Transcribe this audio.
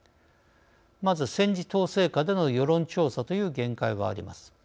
まず戦時統制下での世論調査という限界はあります。